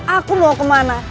aku mau kemana